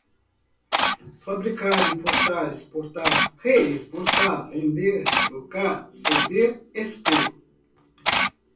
fabricar, importar, exportar, reexportar, vender, trocar, ceder, expor